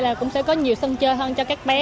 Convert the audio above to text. là cũng sẽ có nhiều sân chơi hơn cho các bé